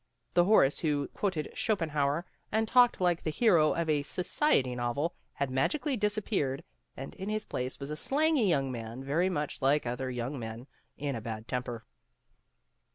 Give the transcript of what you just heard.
The Horace who quoted Schopenhauer, and talked like the hero of a society novel, had magically disappeared, and in his place was a slangy young man, very much like other young men in a bad temper.